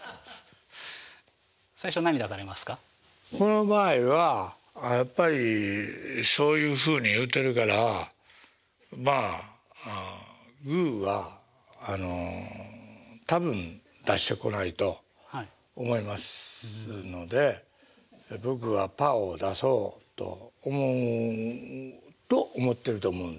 この場合はやっぱりそういうふうに言うてるからまあグーは多分出してこないと思いますので僕はパーを出そうと思ってると思うんですよ。